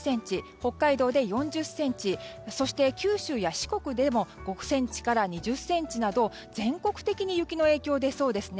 北海道で４０ｃｍそして、九州や四国でも５ｃｍから２０ｃｍなど全国的に雪の影響が出そうですね。